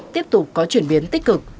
tiếp tục có chuyển biến tích cực